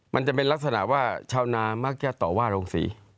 มันจะเป็นลักษณะว่าชาวนามักจะต่อว่าโรงศรี